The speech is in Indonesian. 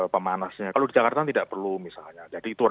pemanasnya kalau di jakarta tidak perlu misalnya